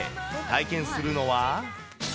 体験するのは。